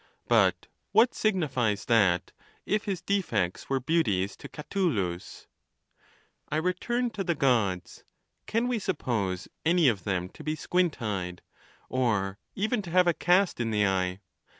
But what signifies that, if his de fects were beauties to Catulus ? XXIX. I return to the Gods. Can we suppose any of them to be squint eyed, or even to have a cast in the eye?